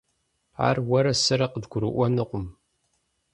Ар уэрэ сэрэ къыдгурыӀуэнукъым.